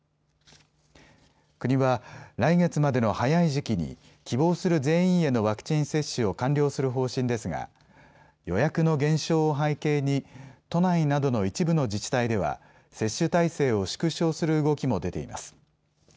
国は来月までの早い時期に希望する全員へのワクチン接種を完了する方針ですが予約の減少を背景に都内などの一部の自治体では接種体制を縮小する動きも出ています。